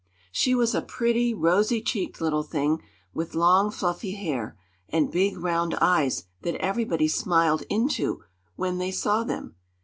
She was a pretty, rosy cheeked little thing, with long, fluffy hair, and big round eyes that everybody smiled into when they saw them.